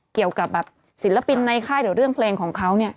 เกี่ยวกับแบบศิลปินในค่ายหรือเรื่องเพลงของเขาเนี่ย